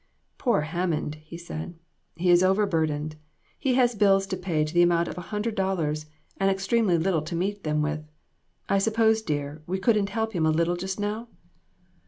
"Poor Hammond!" he said; "he is over burdened; he has bills to pay to the amount of a hundred dollars, and extremely little to meet them with. I suppose, dear, we couldn't help him a little just now